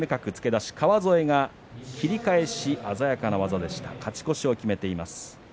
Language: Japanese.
出し川副が切り返し、鮮やかな技でした勝ち越しを決めています。